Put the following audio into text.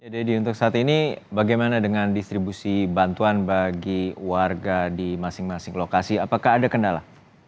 dedy untuk saat ini bagaimana dengan distribusi bantuan bagi warga di masing masing lokasi apakah ada kendala